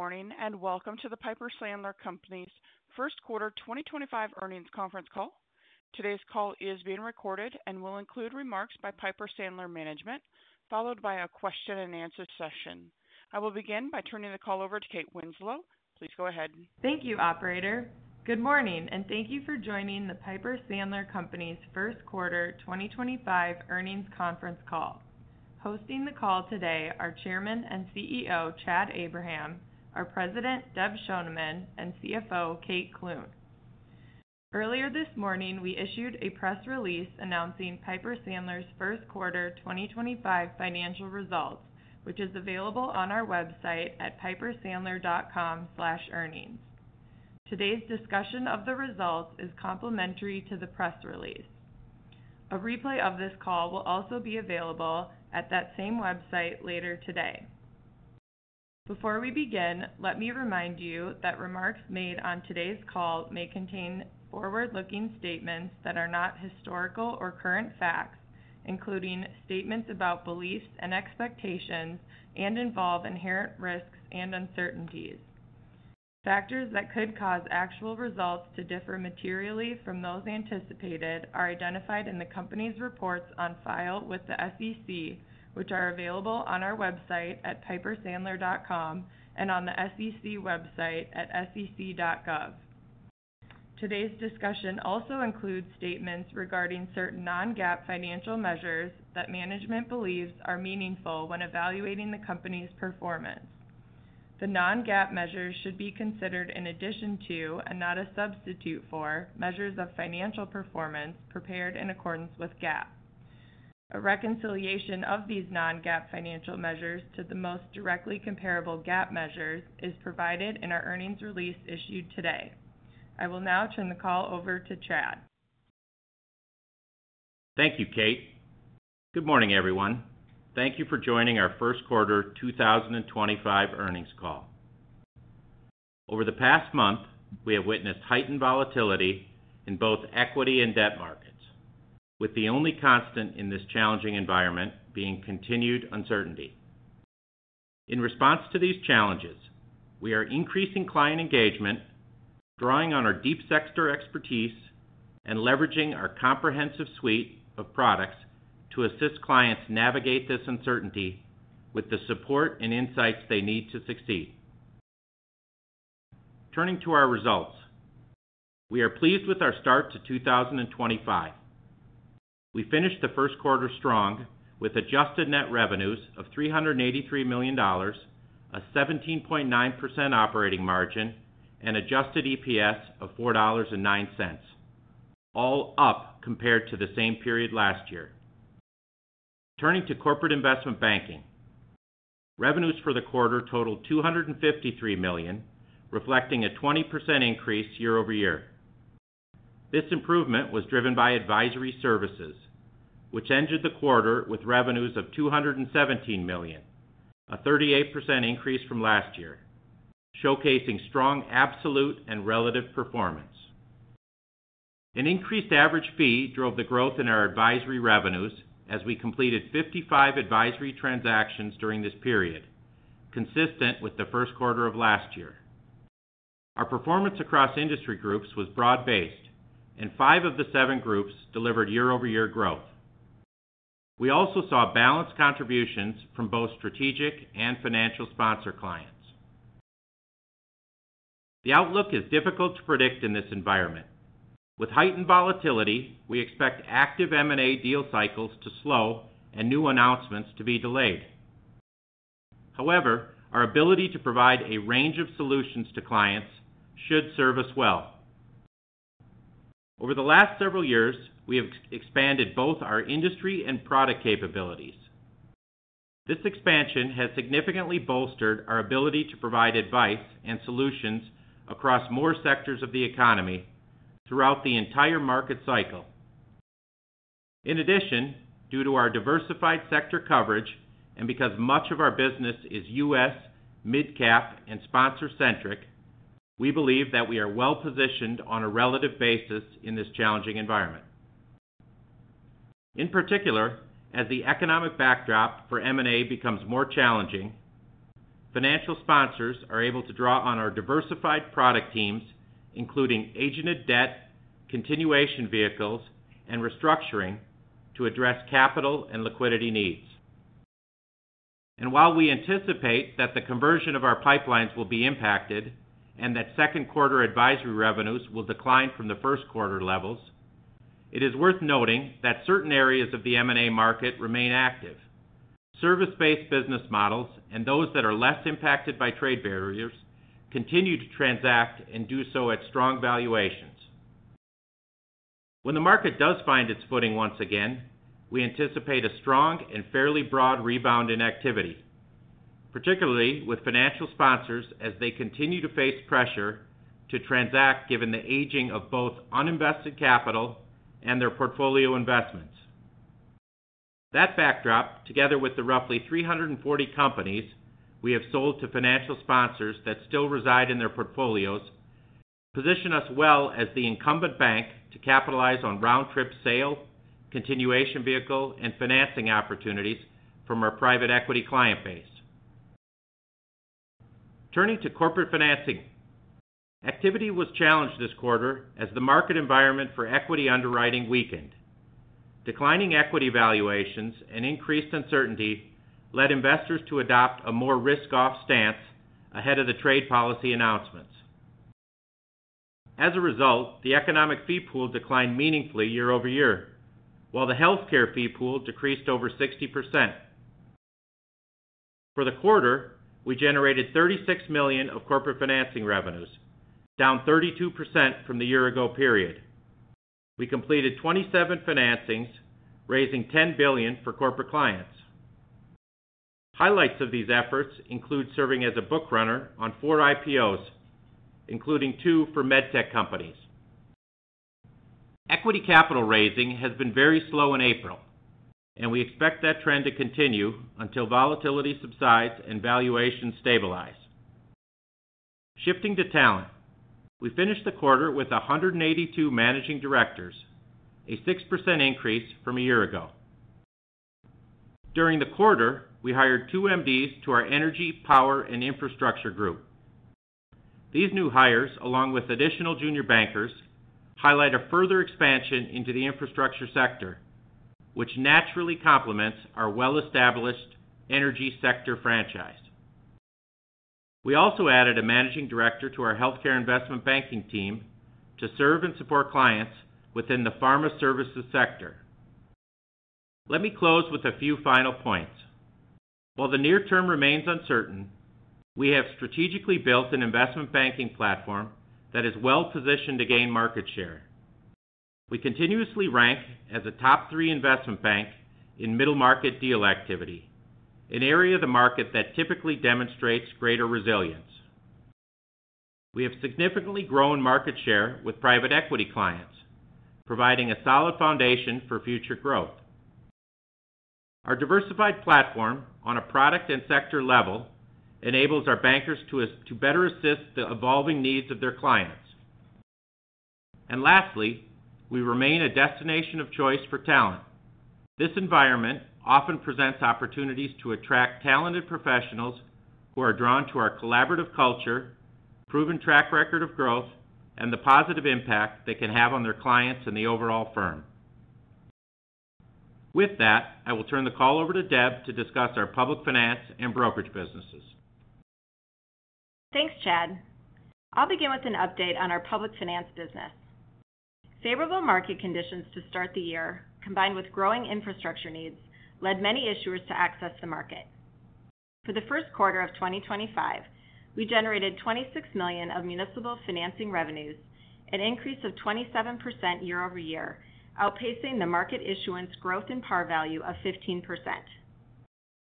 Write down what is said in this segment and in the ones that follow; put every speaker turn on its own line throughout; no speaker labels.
Morning and welcome to the Piper Sandler Companies' First Quarter 2025 Earnings Conference Call. Today's call is being recorded and will include remarks by Piper Sandler management, followed by a question-and-answer session. I will begin by turning the call over to Kate Winslow. Please go ahead.
Thank you, Operator. Good morning and thank you for joining the Piper Sandler Companies' First Quarter 2025 Earnings Conference Call. Hosting the call today are Chairman and CEO Chad Abraham, our President Deb Schoneman, and CFO Kate Clune. Earlier this morning, we issued a press release announcing Piper Sandler's first quarter 2025 financial results, which is available on our website at pipersandler.com/earnings. Today's discussion of the results is complementary to the press release. A replay of this call will also be available at that same website later today. Before we begin, let me remind you that remarks made on today's call may contain forward-looking statements that are not historical or current facts, including statements about beliefs and expectations, and involve inherent risks and uncertainties. Factors that could cause actual results to differ materially from those anticipated are identified in the company's reports on file with the SEC, which are available on our website at pipersandler.com and on the SEC website at sec.gov. Today's discussion also includes statements regarding certain non-GAAP financial measures that management believes are meaningful when evaluating the company's performance. The non-GAAP measures should be considered in addition to, and not a substitute for, measures of financial performance prepared in accordance with GAAP. A reconciliation of these non-GAAP financial measures to the most directly comparable GAAP measures is provided in our earnings release issued today. I will now turn the call over to Chad.
Thank you, Kate. Good morning, everyone. Thank you for joining our first quarter 2025 earnings call. Over the past month, we have witnessed heightened volatility in both equity and debt markets, with the only constant in this challenging environment being continued uncertainty. In response to these challenges, we are increasing client engagement, drawing on our deep sector expertise, and leveraging our comprehensive suite of products to assist clients navigate this uncertainty with the support and insights they need to succeed. Turning to our results, we are pleased with our start to 2025. We finished the first quarter strong with adjusted net revenues of $383 million, a 17.9% operating margin, and adjusted EPS of $4.09, all up compared to the same period last year. Turning to corporate investment banking, revenues for the quarter totaled $253 million, reflecting a 20% increase year-over-year. This improvement was driven by advisory services, which ended the quarter with revenues of $217 million, a 38% increase from last year, showcasing strong absolute and relative performance. An increased average fee drove the growth in our advisory revenues as we completed 55 advisory transactions during this period, consistent with the first quarter of last year. Our performance across industry groups was broad-based, and five of the seven groups delivered year-over-year growth. We also saw balanced contributions from both strategic and financial sponsor clients. The outlook is difficult to predict in this environment. With heightened volatility, we expect active M&A deal cycles to slow and new announcements to be delayed. However, our ability to provide a range of solutions to clients should serve us well. Over the last several years, we have expanded both our industry and product capabilities. This expansion has significantly bolstered our ability to provide advice and solutions across more sectors of the economy throughout the entire market cycle. In addition, due to our diversified sector coverage and because much of our business is U.S., mid-cap, and sponsor-centric, we believe that we are well-positioned on a relative basis in this challenging environment. In particular, as the economic backdrop for M&A becomes more challenging, financial sponsors are able to draw on our diversified product teams, including agented debt, continuation vehicles, and restructuring, to address capital and liquidity needs. While we anticipate that the conversion of our pipelines will be impacted and that second quarter advisory revenues will decline from the first quarter levels, it is worth noting that certain areas of the M&A market remain active. Service-based business models and those that are less impacted by trade barriers continue to transact and do so at strong valuations. When the market does find its footing once again, we anticipate a strong and fairly broad rebound in activity, particularly with financial sponsors as they continue to face pressure to transact given the aging of both uninvested capital and their portfolio investments. That backdrop, together with the roughly 340 companies we have sold to financial sponsors that still reside in their portfolios, positions us well as the incumbent bank to capitalize on round-trip sale, continuation vehicle, and financing opportunities from our private equity client base. Turning to corporate financing, activity was challenged this quarter as the market environment for equity underwriting weakened. Declining equity valuations and increased uncertainty led investors to adopt a more risk-off stance ahead of the trade policy announcements. As a result, the economic fee pool declined meaningfully year-over-year, while the healthcare fee pool decreased over 60%. For the quarter, we generated $36 million of corporate financing revenues, down 32% from the year-ago period. We completed 27 financings, raising $10 billion for corporate clients. Highlights of these efforts include serving as a book runner on four IPOs, including two for med tech companies. Equity capital raising has been very slow in April, and we expect that trend to continue until volatility subsides and valuations stabilize. Shifting to talent, we finished the quarter with 182 managing directors, a 6% increase from a year ago. During the quarter, we hired two MDs to our energy, power, and infrastructure group. These new hires, along with additional junior bankers, highlight a further expansion into the infrastructure sector, which naturally complements our well-established energy sector franchise. We also added a Managing Director to our healthcare investment banking team to serve and support clients within the pharma services sector. Let me close with a few final points. While the near term remains uncertain, we have strategically built an investment banking platform that is well-positioned to gain market share. We continuously rank as a top three investment bank in middle market deal activity, an area of the market that typically demonstrates greater resilience. We have significantly grown market share with private equity clients, providing a solid foundation for future growth. Our diversified platform on a product and sector level enables our bankers to better assist the evolving needs of their clients. Lastly, we remain a destination of choice for talent. This environment often presents opportunities to attract talented professionals who are drawn to our collaborative culture, proven track record of growth, and the positive impact they can have on their clients and the overall firm. With that, I will turn the call over to Deb to discuss our public finance and brokerage businesses.
Thanks, Chad. I'll begin with an update on our public finance business. Favorable market conditions to start the year, combined with growing infrastructure needs, led many issuers to access the market. For the first quarter of 2025, we generated $26 million of municipal financing revenues, an increase of 27% year-over-year, outpacing the market issuance growth in par value of 15%.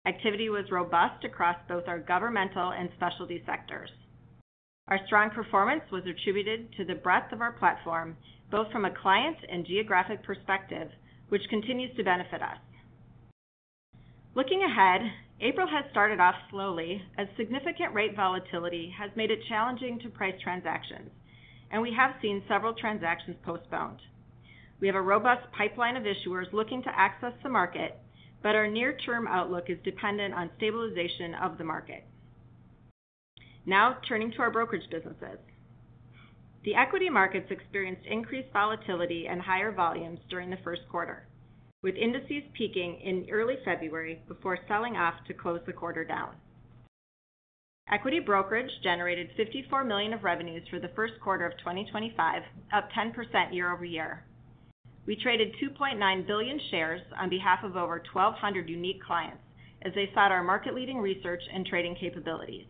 Activity was robust across both our governmental and specialty sectors. Our strong performance was attributed to the breadth of our platform, both from a client and geographic perspective, which continues to benefit us. Looking ahead, April has started off slowly as significant rate volatility has made it challenging to price transactions, and we have seen several transactions postponed. We have a robust pipeline of issuers looking to access the market, but our near-term outlook is dependent on stabilization of the market. Now, turning to our brokerage businesses. The equity markets experienced increased volatility and higher volumes during the first quarter, with indices peaking in early February before selling off to close the quarter down. Equity brokerage generated $54 million of revenues for the first quarter of 2025, up 10% year-over-year. We traded 2.9 billion shares on behalf of over 1,200 unique clients as they sought our market-leading research and trading capabilities.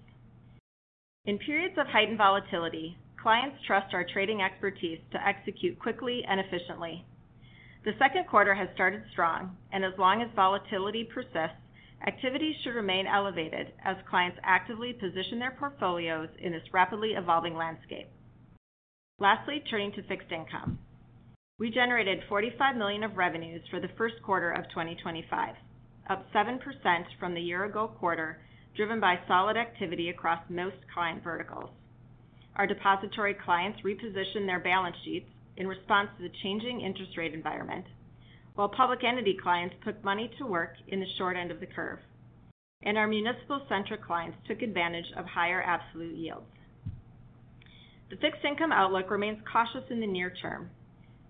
In periods of heightened volatility, clients trust our trading expertise to execute quickly and efficiently. The second quarter has started strong, and as long as volatility persists, activity should remain elevated as clients actively position their portfolios in this rapidly evolving landscape. Lastly, turning to fixed income. We generated $45 million of revenues for the first quarter of 2025, up 7% from the year-ago quarter, driven by solid activity across most client verticals. Our depository clients repositioned their balance sheets in response to the changing interest rate environment, while public entity clients put money to work in the short end of the curve, and our municipal sector clients took advantage of higher absolute yields. The fixed income outlook remains cautious in the near term.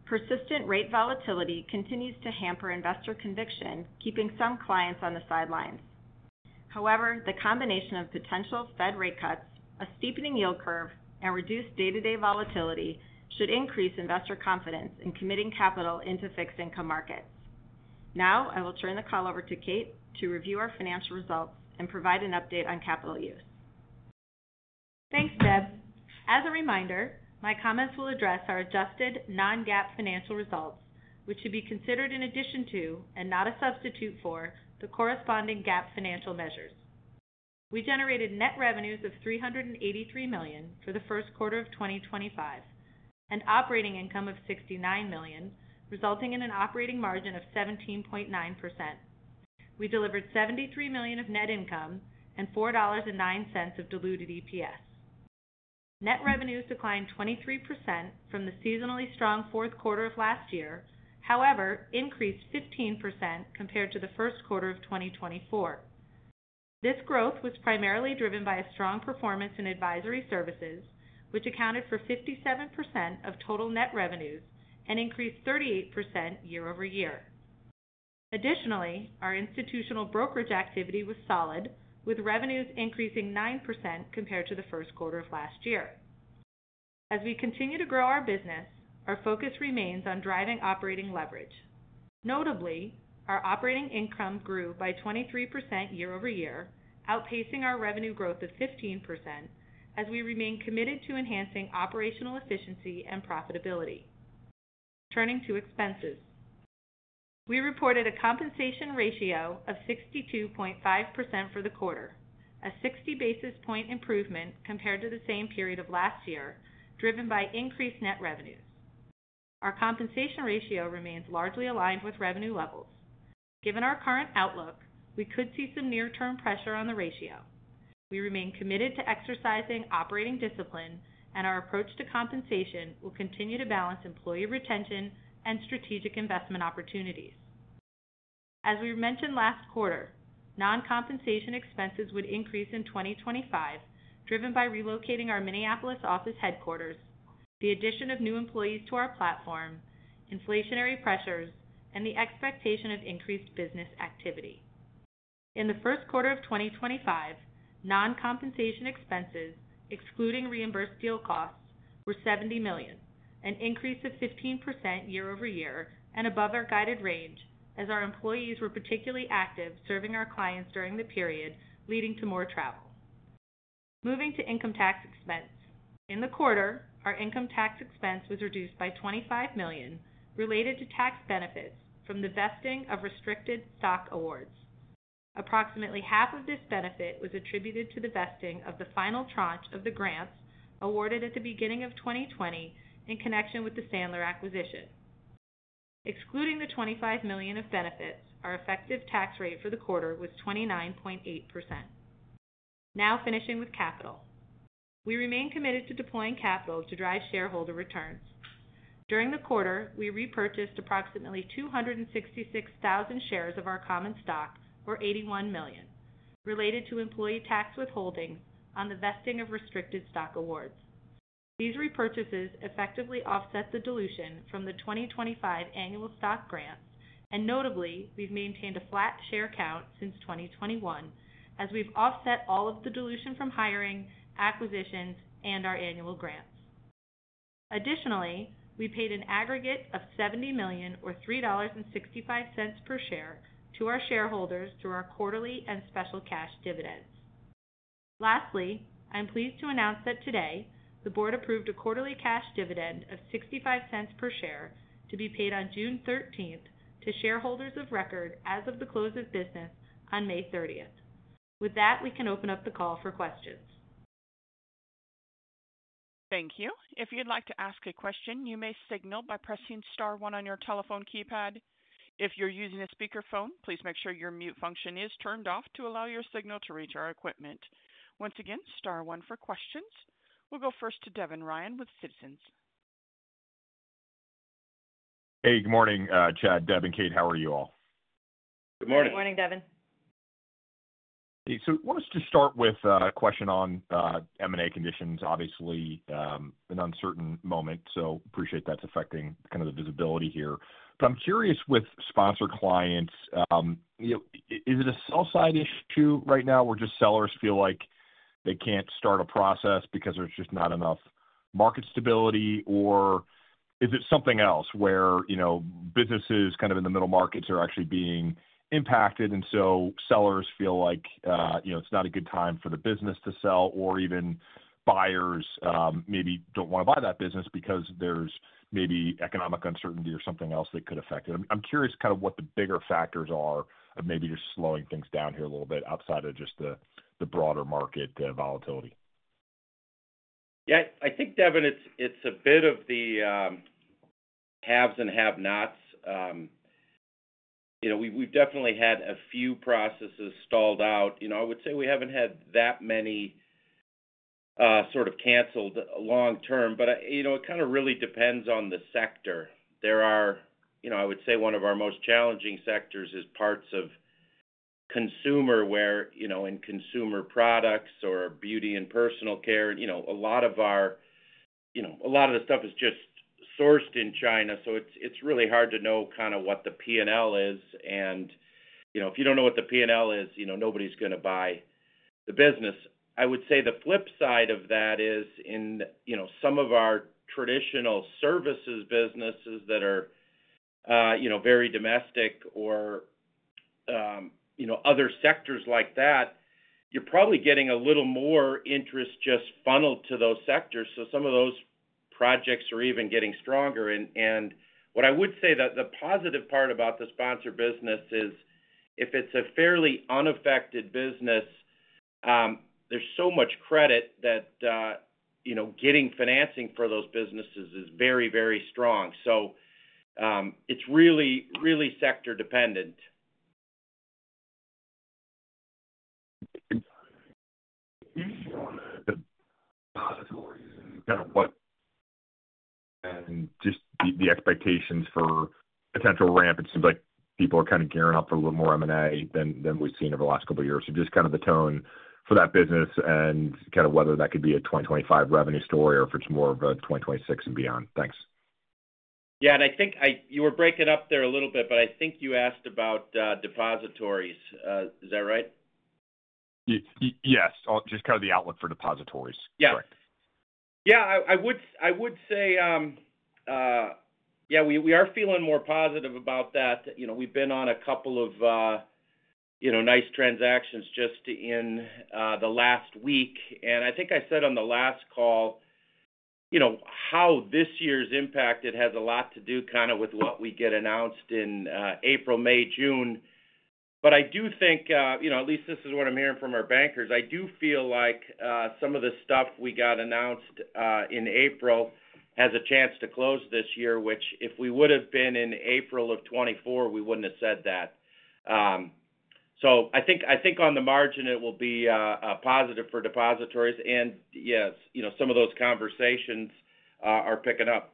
Persistent rate volatility continues to hamper investor conviction, keeping some clients on the sidelines. However, the combination of potential Fed rate cuts, a steepening yield curve, and reduced day-to-day volatility should increase investor confidence in committing capital into fixed income markets. Now, I will turn the call over to Kate to review our financial results and provide an update on capital use.
Thanks, Deb. As a reminder, my comments will address our adjusted non-GAAP financial results, which should be considered in addition to, and not a substitute for, the corresponding GAAP financial measures. We generated net revenues of $383 million for the first quarter of 2025 and operating income of $69 million, resulting in an operating margin of 17.9%. We delivered $73 million of net income and $4.09 of diluted EPS. Net revenues declined 23% from the seasonally strong fourth quarter of last year; however, increased 15% compared to the first quarter of 2024. This growth was primarily driven by a strong performance in advisory services, which accounted for 57% of total net revenues and increased 38% year-over-year. Additionally, our institutional brokerage activity was solid, with revenues increasing 9% compared to the first quarter of last year. As we continue to grow our business, our focus remains on driving operating leverage. Notably, our operating income grew by 23% year-over-year, outpacing our revenue growth of 15% as we remain committed to enhancing operational efficiency and profitability. Turning to expenses, we reported a compensation ratio of 62.5% for the quarter, a 60 basis point improvement compared to the same period of last year, driven by increased net revenues. Our compensation ratio remains largely aligned with revenue levels. Given our current outlook, we could see some near-term pressure on the ratio. We remain committed to exercising operating discipline, and our approach to compensation will continue to balance employee retention and strategic investment opportunities. As we mentioned last quarter, non-compensation expenses would increase in 2025, driven by relocating our Minneapolis office headquarters, the addition of new employees to our platform, inflationary pressures, and the expectation of increased business activity. In the first quarter of 2025, non-compensation expenses, excluding reimbursed deal costs, were $70 million, an increase of 15% year-over-year and above our guided range as our employees were particularly active serving our clients during the period leading to more travel. Moving to income tax expense. In the quarter, our income tax expense was reduced by $25 million related to tax benefits from the vesting of restricted stock awards. Approximately half of this benefit was attributed to the vesting of the final tranche of the grants awarded at the beginning of 2020 in connection with the Sandler acquisition. Excluding the $25 million of benefits, our effective tax rate for the quarter was 29.8%. Now, finishing with capital. We remain committed to deploying capital to drive shareholder returns. During the quarter, we repurchased approximately 266,000 shares of our common stock, or $81 million, related to employee tax withholdings on the vesting of restricted stock awards. These repurchases effectively offset the dilution from the 2025 annual stock grants, and notably, we've maintained a flat share count since 2021 as we've offset all of the dilution from hiring, acquisitions, and our annual grants. Additionally, we paid an aggregate of $70 million, or $3.65 per share, to our shareholders through our quarterly and special cash dividends. Lastly, I'm pleased to announce that today, the board approved a quarterly cash dividend of $0.65 per share to be paid on June 13th to shareholders of record as of the close of business on May 30th. With that, we can open up the call for questions.
Thank you. If you'd like to ask a question, you may signal by pressing star one on your telephone keypad. If you're using a speakerphone, please make sure your mute function is turned off to allow your signal to reach our equipment. Once again, star one for questions. We'll go first to Devin Ryan with Citizens.
Hey, good morning, Chad, Deb, and Kate. How are you all?
Good morning.
Good morning, Deb.
I want to start with a question on M&A conditions. Obviously, an uncertain moment, so I appreciate that's affecting kind of the visibility here. I'm curious with sponsored clients, is it a sell-side issue right now where just sellers feel like they can't start a process because there's just not enough market stability, or is it something else where businesses kind of in the middle markets are actually being impacted and so sellers feel like it's not a good time for the business to sell, or even buyers maybe don't want to buy that business because there's maybe economic uncertainty or something else that could affect it? I'm curious kind of what the bigger factors are of maybe just slowing things down here a little bit outside of just the broader market volatility.
Yeah, I think, Devin, it's a bit of the haves and have-nots. We've definitely had a few processes stalled out. I would say we haven't had that many sort of canceled long-term, but it kind of really depends on the sector. There are, I would say, one of our most challenging sectors is parts of consumer where in consumer products or beauty and personal care, a lot of our, a lot of the stuff is just sourced in China, so it's really hard to know kind of what the P&L is. And if you don't know what the P&L is, nobody's going to buy the business. I would say the flip side of that is in some of our traditional services businesses that are very domestic or other sectors like that, you're probably getting a little more interest just funneled to those sectors, so some of those projects are even getting stronger. What I would say, the positive part about the sponsored business is if it's a fairly unaffected business, there's so much credit that getting financing for those businesses is very, very strong. It is really, really sector-dependent.
Just the expectations for potential ramp, it seems like people are kind of gearing up for a little more M&A than we've seen over the last couple of years. Just kind of the tone for that business and kind of whether that could be a 2025 revenue story or if it's more of a 2026 and beyond. Thanks.
Yeah, I think you were breaking up there a little bit, but I think you asked about depositories. Is that right?
Yes. Just kind of the outlook for depositories.
Yeah.
Correct.
Yeah, I would say, yeah, we are feeling more positive about that. We've been on a couple of nice transactions just in the last week. I think I said on the last call how this year's impact has a lot to do kind of with what we get announced in April, May, June. I do think, at least this is what I'm hearing from our bankers, I do feel like some of the stuff we got announced in April has a chance to close this year, which if we would have been in April of 2024, we wouldn't have said that. I think on the margin, it will be positive for depositories. Yes, some of those conversations are picking up.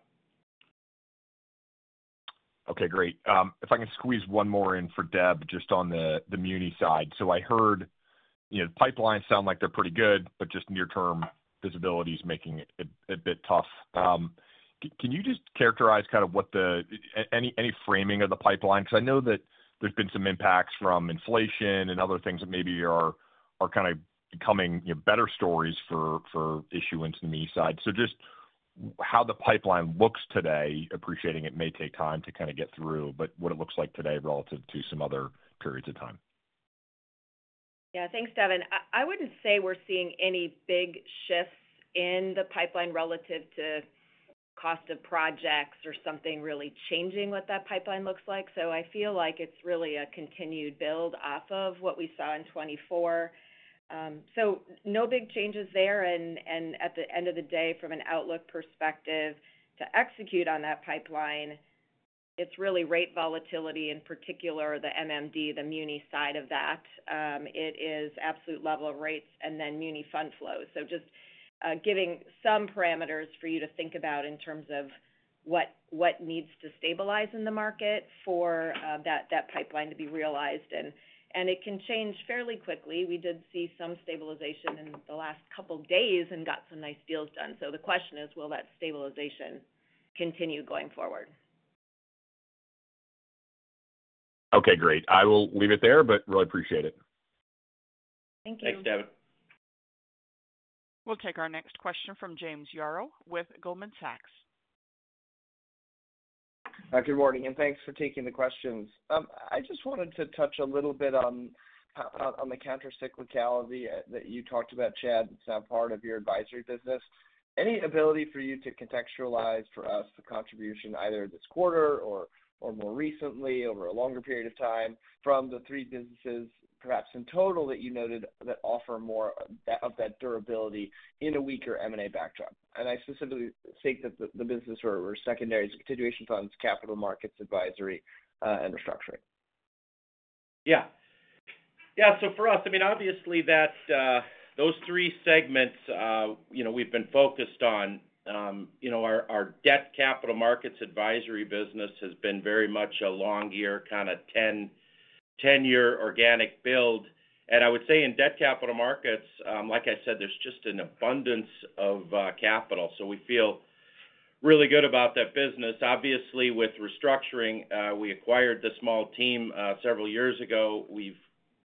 Okay, great. If I can squeeze one more in for Deb just on the muni side. I heard the pipeline sounds like they're pretty good, but just near-term visibility is making it a bit tough. Can you just characterize kind of what the, any framing of the pipeline? I know that there's been some impacts from inflation and other things that maybe are kind of becoming better stories for issuance on the muni side. Just how the pipeline looks today, appreciating it may take time to kind of get through, but what it looks like today relative to some other periods of time.
Yeah, thanks, Devin. I wouldn't say we're seeing any big shifts in the pipeline relative to cost of projects or something really changing what that pipeline looks like. I feel like it's really a continued build off of what we saw in 2024. No big changes there. At the end of the day, from an outlook perspective to execute on that pipeline, it's really rate volatility in particular, the MMD, the muni side of that. It is absolute level of rates and then muni fund flows. Just giving some parameters for you to think about in terms of what needs to stabilize in the market for that pipeline to be realized. It can change fairly quickly. We did see some stabilization in the last couple of days and got some nice deals done. The question is, will that stabilization continue going forward?
Okay, great. I will leave it there, but really appreciate it.
Thank you.
Thanks, Devin.
We'll take our next question from James Yaro with Goldman Sachs.
Good morning, and thanks for taking the questions. I just wanted to touch a little bit on the countercyclicality that you talked about, Chad, that's now part of your advisory business. Any ability for you to contextualize for us the contribution either this quarter or more recently over a longer period of time from the three businesses perhaps in total that you noted that offer more of that durability in a weaker M&A backdrop? I specifically think that the businesses were secondary to continuation funds, capital markets, advisory, and restructuring.
Yeah. Yeah, so for us, I mean, obviously those three segments we've been focused on. Our debt capital markets advisory business has been very much a long-year kind of 10-year organic build. I would say in debt capital markets, like I said, there's just an abundance of capital. We feel really good about that business. Obviously, with restructuring, we acquired the small team several years ago. We've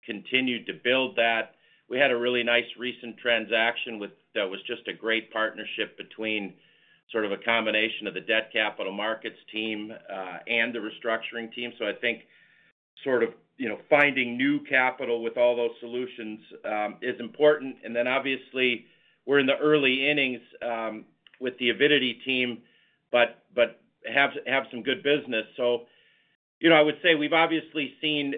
continued to build that. We had a really nice recent transaction that was just a great partnership between sort of a combination of the debt capital markets team and the restructuring team. I think sort of finding new capital with all those solutions is important. Obviously, we're in the early innings with the Aviditi team, but have some good business. I would say we've obviously seen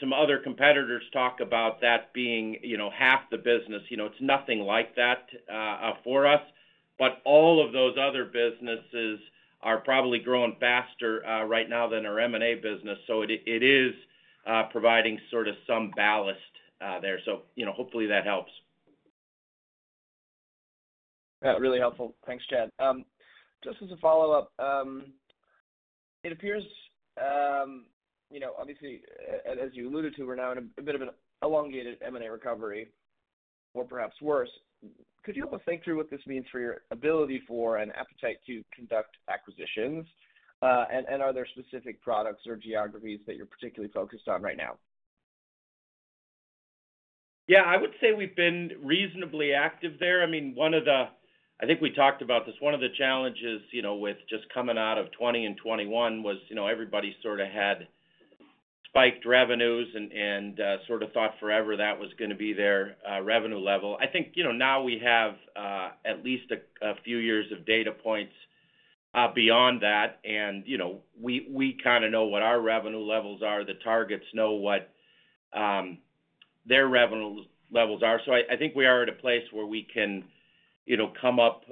some other competitors talk about that being half the business. You know its nothing like that for us. All of those other businesses are probably growing faster right now than our M&A business. It is providing sort of some ballast there. Hopefully that helps.
Yeah, really helpful. Thanks, Chad. Just as a follow-up, it appears obviously, as you alluded to, we're now in a bit of an elongated M&A recovery or perhaps worse. Could you help us think through what this means for your ability for and appetite to conduct acquisitions? And are there specific products or geographies that you're particularly focused on right now?
Yeah, I would say we've been reasonably active there. I mean, one of the—I think we talked about this—one of the challenges with just coming out of 2020 and 2021 was everybody sort of had spiked revenues and sort of thought forever that was going to be their revenue level. I think now we have at least a few years of data points beyond that. We kind of know what our revenue levels are. The targets know what their revenue levels are. I think we are at a place where we can come up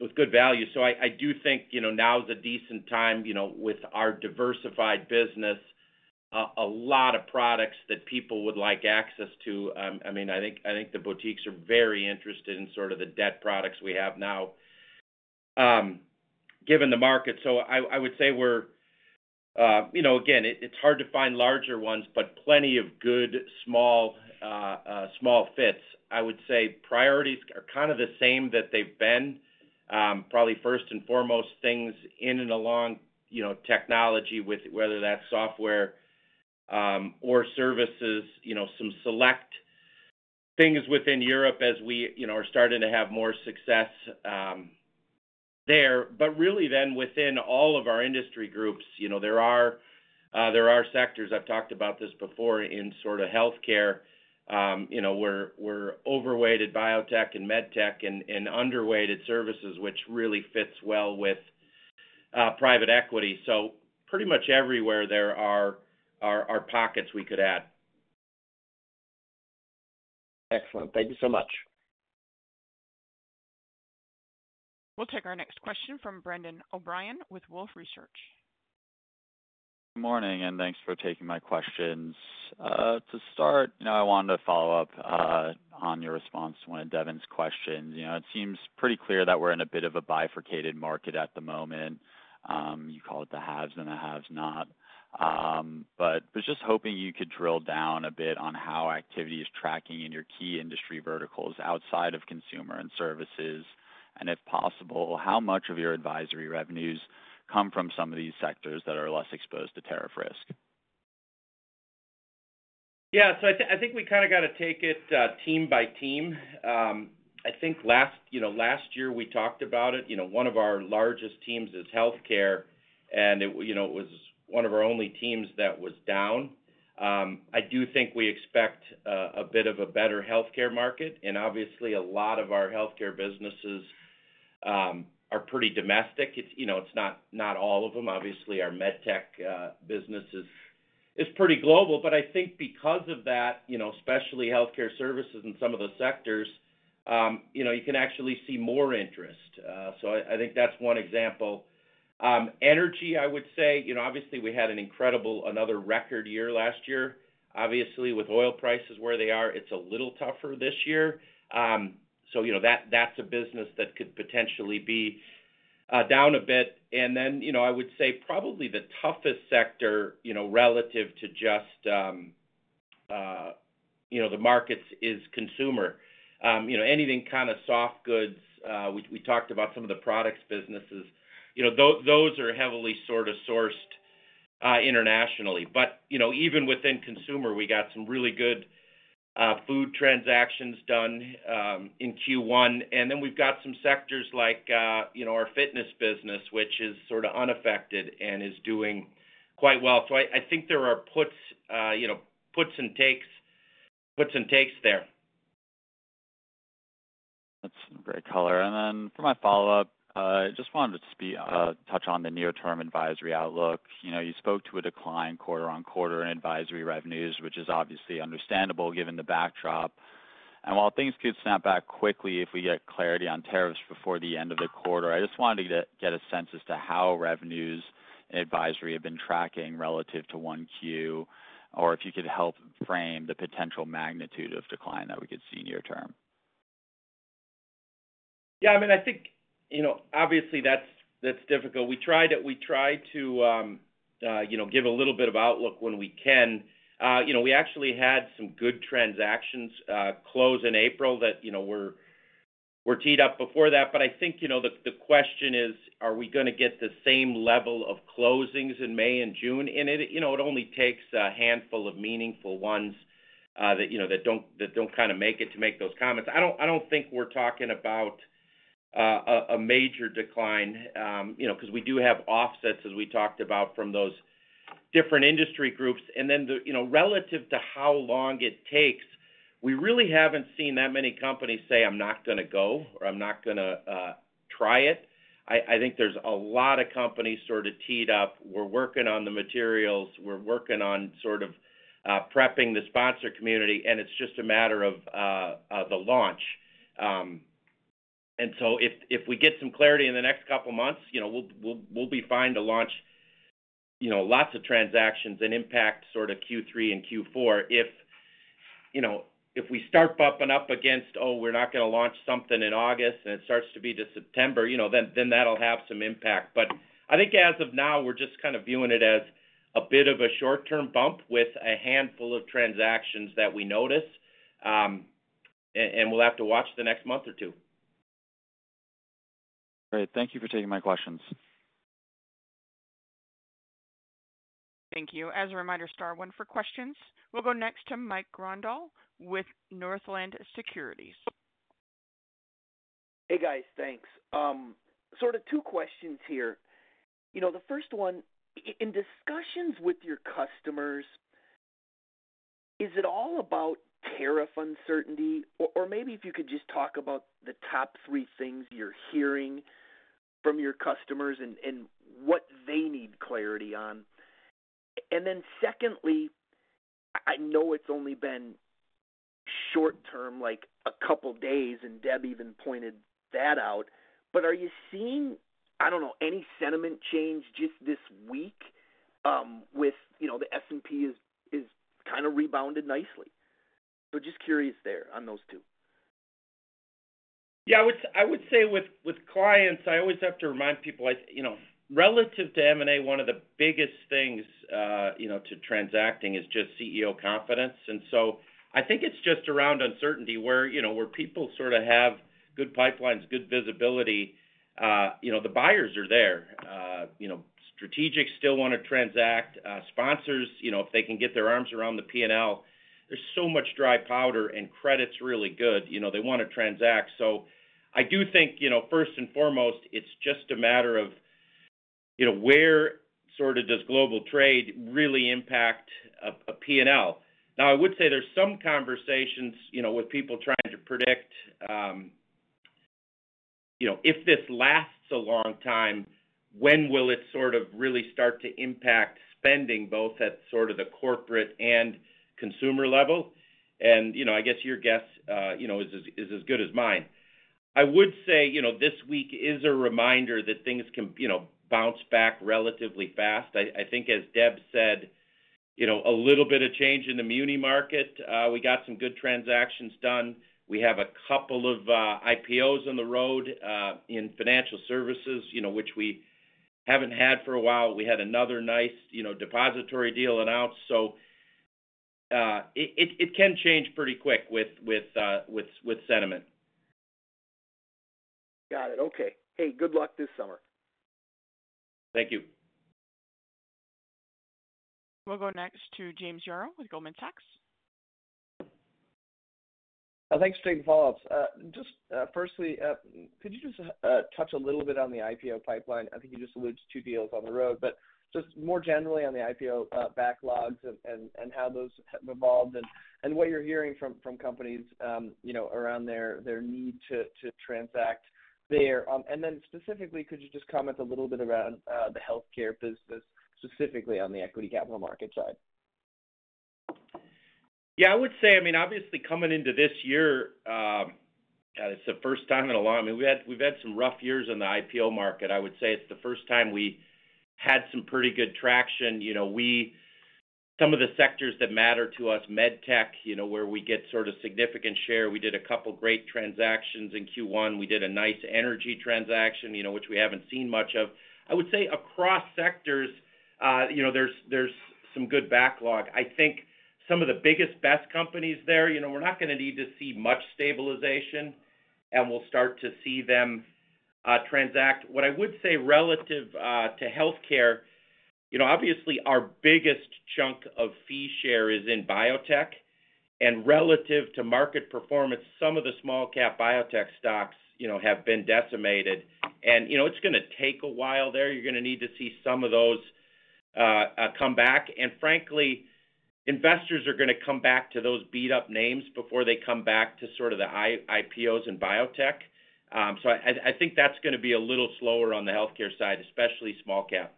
with good value. I do think now is a decent time with our diversified business, a lot of products that people would like access to. I mean, I think the boutiques are very interested in sort of the debt products we have now given the market. I would say we're, again, it's hard to find larger ones, but plenty of good small fits. I would say priorities are kind of the same that they've been. Probably first and foremost, things in and along technology, whether that's software or services, some select things within Europe as we are starting to have more success there. Really then within all of our industry groups, there are sectors—I've talked about this before—in sort of healthcare where we're overweighted biotech and med tech and underweighted services, which really fits well with private equity. Pretty much everywhere there are pockets we could add.
Excellent. Thank you so much.
We'll take our next question from Brendan O'Brien with Wolfe Research.
Good morning, and thanks for taking my questions. To start, I wanted to follow up on your response to one of Devin's questions. It seems pretty clear that we're in a bit of a bifurcated market at the moment. You call it the haves and the have-not. Just hoping you could drill down a bit on how activity is tracking in your key industry verticals outside of consumer and services. If possible, how much of your advisory revenues come from some of these sectors that are less exposed to tariff risk?
Yeah, so I think we kind of got to take it team by team. I think last year we talked about it. One of our largest teams is healthcare, and it was one of our only teams that was down. I do think we expect a bit of a better healthcare market. Obviously, a lot of our healthcare businesses are pretty domestic. It's not all of them. Obviously, our med tech business is pretty global. I think because of that, especially healthcare services and some of the sectors, you can actually see more interest. I think that's one example. Energy, I would say, obviously we had an incredible another record year last year. Obviously, with oil prices where they are, it's a little tougher this year. That's a business that could potentially be down a bit. I would say probably the toughest sector relative to just the markets is consumer. Anything kind of soft goods, we talked about some of the products businesses. Those are heavily sort of sourced internationally. Even within consumer, we got some really good food transactions done in Q1. We have some sectors like our fitness business, which is sort of unaffected and is doing quite well. I think there are puts and takes there.
That's a great color. For my follow-up, I just wanted to touch on the near-term advisory outlook. You spoke to a decline quarter on quarter in advisory revenues, which is obviously understandable given the backdrop. While things could snap back quickly if we get clarity on tariffs before the end of the quarter, I just wanted to get a sense as to how revenues and advisory have been tracking relative to one Q or if you could help frame the potential magnitude of decline that we could see near term.
Yeah, I mean, I think obviously that's difficult. We tried to give a little bit of outlook when we can. We actually had some good transactions close in April that were teed up before that. I think the question is, are we going to get the same level of closings in May and June? It only takes a handful of meaningful ones that do not kind of make it to make those comments. I do not think we are talking about a major decline because we do have offsets, as we talked about, from those different industry groups. Relative to how long it takes, we really have not seen that many companies say, "I'm not going to go" or "I'm not going to try it." I think there are a lot of companies sort of teed up. We are working on the materials. We are working on sort of prepping the sponsor community. It is just a matter of the launch. If we get some clarity in the next couple of months, we will be fine to launch lots of transactions and impact sort of Q3 and Q4. If we start bumping up against, "Oh, we are not going to launch something in August," and it starts to be to September, that will have some impact. I think as of now, we are just kind of viewing it as a bit of a short-term bump with a handful of transactions that we notice. We will have to watch the next month or two.
Great. Thank you for taking my questions.
Thank you. As a reminder, star one for questions. We'll go next to Mike Grondahl with Northland Securities.
Hey, guys. Thanks. Sort of two questions here. The first one, in discussions with your customers, is it all about tariff uncertainty? Or maybe if you could just talk about the top three things you're hearing from your customers and what they need clarity on. Secondly, I know it's only been short-term, like a couple of days, and Deb even pointed that out. Are you seeing, I don't know, any sentiment change just this week with the S&P has kind of rebounded nicely? Just curious there on those two.
Yeah, I would say with clients, I always have to remind people relative to M&A, one of the biggest things to transacting is just CEO confidence. I think it's just around uncertainty where people sort of have good pipelines, good visibility. The buyers are there. Strategics still want to transact. Sponsors, if they can get their arms around the P&L, there's so much dry powder and credit's really good. They want to transact. I do think first and foremost, it's just a matter of where sort of does global trade really impact a P&L? I would say there's some conversations with people trying to predict if this lasts a long time, when will it sort of really start to impact spending both at sort of the corporate and consumer level? I guess your guess is as good as mine. I would say this week is a reminder that things can bounce back relatively fast. I think as Deb said, a little bit of change in the muni market. We got some good transactions done. We have a couple of IPOs on the road in financial services, which we haven't had for a while. We had another nice depository deal announced. It can change pretty quick with sentiment.
Got it. Okay. Hey, good luck this summer.
Thank you.
We'll go next to James Yaro with Goldman Sachs.
Thanks for the follow-ups. Just firstly, could you just touch a little bit on the IPO pipeline? I think you just alluded to two deals on the road, but just more generally on the IPO backlogs and how those have evolved and what you're hearing from companies around their need to transact there. Could you just comment a little bit around the healthcare business, specifically on the equity capital market side?
Yeah, I would say, I mean, obviously coming into this year, it's the first time in a while. I mean, we've had some rough years on the IPO market. I would say it's the first time we had some pretty good traction. Some of the sectors that matter to us, med tech, where we get sort of significant share. We did a couple of great transactions in Q1. We did a nice energy transaction, which we haven't seen much of. I would say across sectors, there's some good backlog. I think some of the biggest, best companies there, we're not going to need to see much stabilization, and we'll start to see them transact. What I would say relative to healthcare, obviously our biggest chunk of fee share is in biotech. And relative to market performance, some of the small-cap biotech stocks have been decimated. It is going to take a while there. You are going to need to see some of those come back. Frankly, investors are going to come back to those beat-up names before they come back to sort of the IPOs and biotech. I think that is going to be a little slower on the healthcare side, especially small-cap.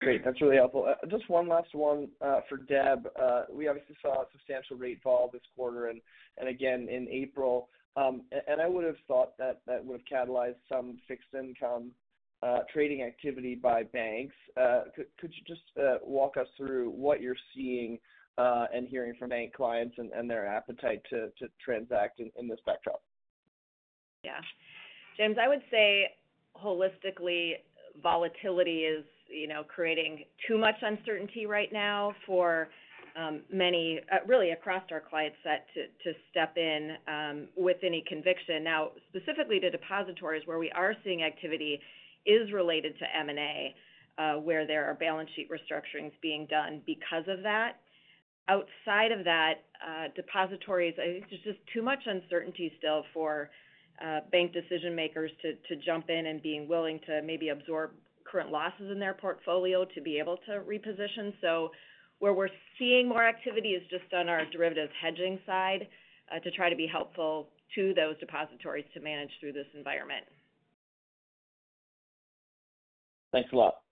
Great. That's really helpful. Just one last one for Deb. We obviously saw a substantial rate fall this quarter and again in April. I would have thought that that would have catalyzed some fixed income trading activity by banks. Could you just walk us through what you're seeing and hearing from bank clients and their appetite to transact in this backdrop?
Yeah. James, I would say holistically, volatility is creating too much uncertainty right now for many, really across our client set, to step in with any conviction. Now, specifically to depositories, where we are seeing activity is related to M&A, where there are balance sheet restructurings being done because of that. Outside of that, depositories, I think there's just too much uncertainty still for bank decision-makers to jump in and be willing to maybe absorb current losses in their portfolio to be able to reposition. Where we're seeing more activity is just on our derivatives hedging side to try to be helpful to those depositories to manage through this environment.
Thanks a lot.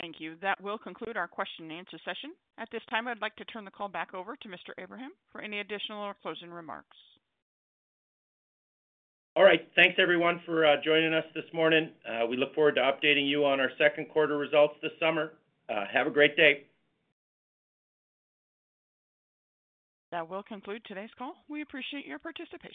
Thank you. That will conclude our question-and-answer session. At this time, I'd like to turn the call back over to Mr. Abraham for any additional or closing remarks.
All right. Thanks, everyone, for joining us this morning. We look forward to updating you on our second quarter results this summer. Have a great day.
That will conclude today's call. We appreciate your participation.